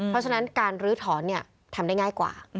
เพราะฉะนั้นการลื้อถอนทำได้ง่ายกว่า